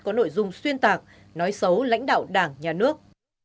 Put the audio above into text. có nội dung xuyên tạc nói xấu lãnh đạo đảng nhà nước